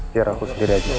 biar aku sendiri aja